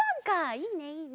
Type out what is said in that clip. いいねいいね！